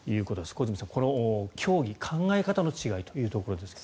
小泉さん、この教義、考え方の違いというところですが。